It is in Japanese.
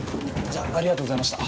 じゃあありがとうございました。